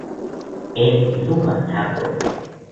En luma tago.